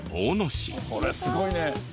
これすごいね。